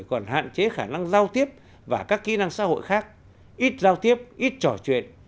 còn hạn chế khả năng giao tiếp và các kỹ năng xã hội khác ít giao tiếp ít trò chuyện